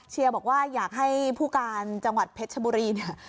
เชียร์บอกว่าอยากให้ผู้การจังหวัดเพชรชบุรีเนี่ย